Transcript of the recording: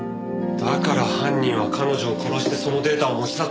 だから犯人は彼女を殺してそのデータを持ち去ったのか。